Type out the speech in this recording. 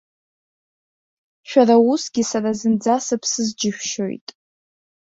Шәара усгьы сара зынӡа сыԥсыз џьышәшьоит.